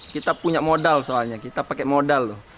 kita punya modal soalnya kita pakai modal loh